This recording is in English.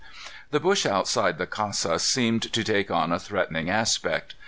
The bush outside the casa seemed to take on a threatening aspect.